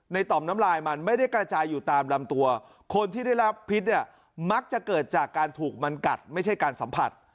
ต่อมน้ำลายมันไม่ได้กระจายอยู่ตามลำตัวคนที่ได้รับพิษเนี่ยมักจะเกิดจากการถูกมันกัดไม่ใช่การสัมผัส